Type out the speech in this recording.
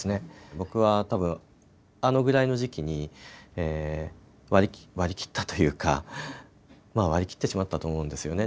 僕は、多分、あのぐらいの時期に割り切ったというか割り切ってしまったと思うんですよね。